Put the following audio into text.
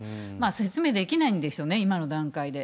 説明できないんでしょうね、今の段階で。